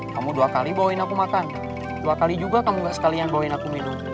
kamu dua kali bawain aku makan dua kali juga kamu gak sekalian bawain aku minum